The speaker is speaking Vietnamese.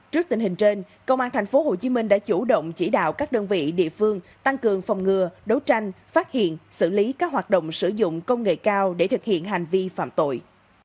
trước tình hình trên công an tp hcm đã chủ động chỉ đạo các đơn vị địa phương tăng cường phòng ngừa đấu tranh phát hiện xử lý các hoạt động sử dụng công nghệ cao để thực hiện hành vi phạm tội